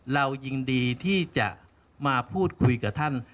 เรายินดีที่จะมาพูดคุยกับท่าน